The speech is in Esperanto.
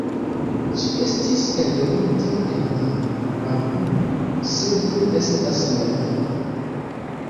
Ĝi estis eldonita en la albumo "Sed estas ne..."